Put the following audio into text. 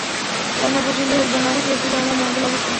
কন্যা পছন্দ হউক বা না হউক, এই পূজা আমার মন্দ লাগিত না।